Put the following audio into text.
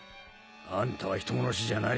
あんたは人殺しじゃない。